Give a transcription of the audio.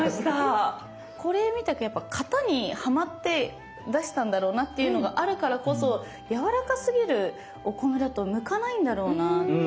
これみたくやっぱ型にはまって出したんだろうなっていうのがあるからこそやわらかすぎるお米だと向かないんだろうなっていう。